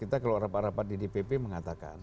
kita kalau rapat rapat di dpp mengatakan